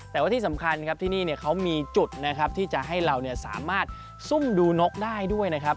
แต่ว่าที่สำคัญครับที่นี่เขามีจุดนะครับที่จะให้เราสามารถซุ่มดูนกได้ด้วยนะครับ